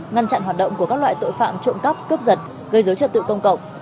ngăn chặn hoạt động của các loại tội phạm trộm cắp cướp giật gây dối trật tự công cộng